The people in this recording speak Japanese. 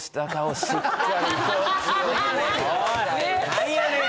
・何やねん！